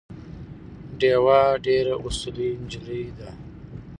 ډیوه ډېره اصولي نجلی ده